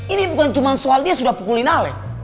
ini bukan cuma soal dia sudah pukulin ale